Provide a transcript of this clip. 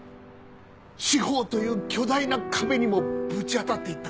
司法という巨大な壁にもぶち当たっていった。